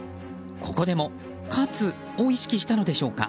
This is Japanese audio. ここでも勝つを意識したのでしょうか？